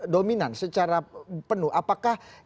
dominan secara penuh apakah